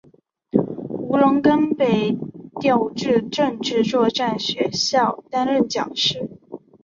吴荣根被调至政治作战学校担任讲师。